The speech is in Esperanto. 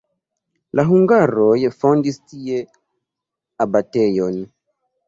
La hungaroj fondis tie abatejon.